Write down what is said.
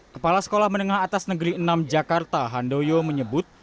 kepala sekolah menengah atas negeri enam jakarta handoyo menyebut